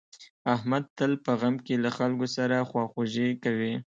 احمد تل په غم کې له خلکو سره خواخوږي کوي.